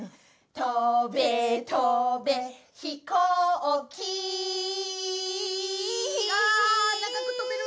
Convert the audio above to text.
「とべとべ」「ひこうきーん」あ長くとべる！